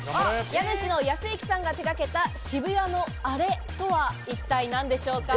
家主の康之さんが手がけた渋谷のアレとは一体何でしょうか？